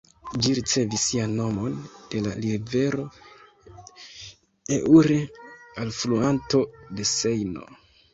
Ĝi ricevis sian nomon de la rivero Eure, alfluanto de Sejno.